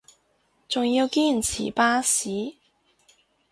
仲要堅持巴士